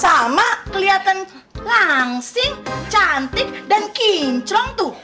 sama kelihatan langsing cantik dan kinclong tuh